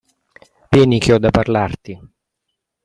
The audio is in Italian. Vieni che ho da parlarti.